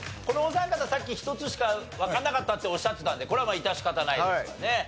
このお三方さっき１つしかわかんなかったっておっしゃってたんでこれはまあ致し方ないですかね。